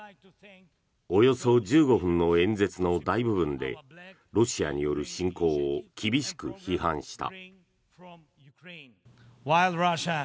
およそ１５分の演説の大部分でロシアによる侵攻を厳しく批判した。